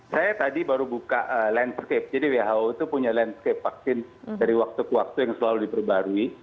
saya tadi baru buka landscape jadi who itu punya landscape vaksin dari waktu ke waktu yang selalu diperbarui